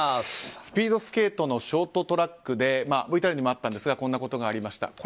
スピードスケートのショートトラックでＶＴＲにもあったんですがこんなことがありました。